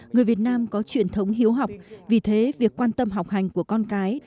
người việt nam có truyền thống hiếu học vì thế việc quan tâm học hành của con cái